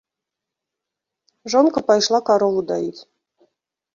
Жонка пайшла карову даіць.